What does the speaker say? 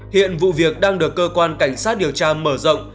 hiện vụ việc đang được cơ quan cảnh sát điều tra mở rộng